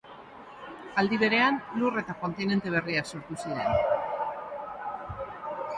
Aldi berean, lur eta kontinente berriak sortu ziren.